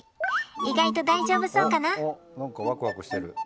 意外と大丈夫そうかな。